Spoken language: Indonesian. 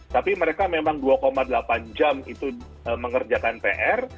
tapi mereka memang dua delapan jam itu mengerjakan pr